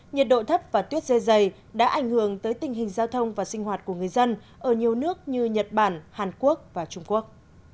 nhiệt độ thấp và tuyết rơi dày đã ảnh hưởng tới tình hình giao thông và sinh hoạt của người dân ở nhiều nước như nhật bản hàn quốc và trung quốc